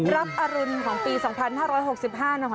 รับอรุณของปี๒๕๖๕นะเหรออีก